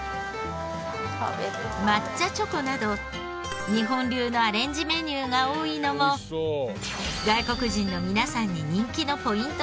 抹茶チョコなど日本流のアレンジメニューが多いのも外国人の皆さんに人気のポイントでした。